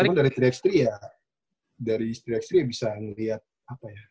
cuma dari tiga x tiga ya dari tiga x tiga bisa melihat apa ya